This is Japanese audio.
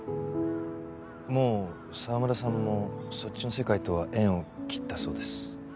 もう澤村さんもそっちの世界とは縁を切ったそうです。